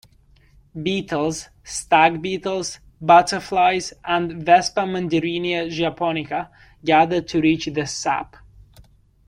Beetles, stag beetles, butterflies, and "Vespa mandarinia japonica" gather to reach this sap.